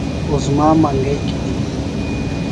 عظمیٰ منگئی گِھنیۡ گی۔